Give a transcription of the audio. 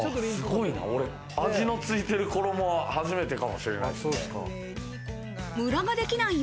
味のついてる衣、初めてかもしれない。